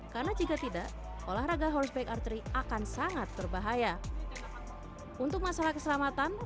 karena jika tidak olahraga horseback archery akan sangat berbahaya untuk masalah keselamatan